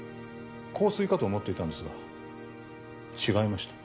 香水かと思っていたんですが、違いました。